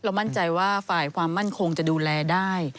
มั่นใจว่าฝ่ายความมั่นคงจะดูแลได้